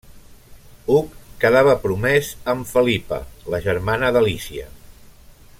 Hug quedava promès amb Felipa, la germana d'Alícia.